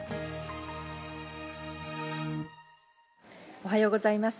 おはようございます。